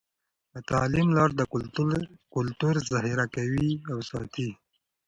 د تعلیم لاره د کلتور ذخیره کوي او ساتي.